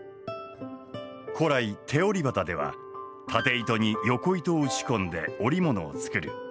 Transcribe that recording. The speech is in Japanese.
古来手織り機では経糸によこ糸を打ち込んで織物を作る。